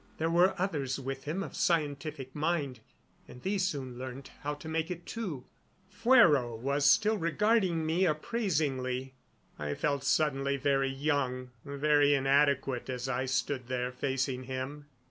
There were others with him of scientific mind, and these soon learned how to make it, too." Fuero was still regarding me appraisingly. I felt suddenly very young, very inadequate as I stood there facing him.